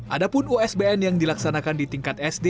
adapun usbn yang dilaksanakan di tingkat sd